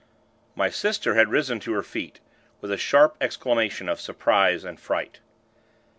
My sister had risen to her feet, with a sharp exclamation of surprise and fright.